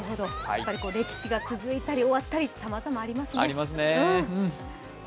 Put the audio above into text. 歴史が続いたり、終わったりさまざまありますね。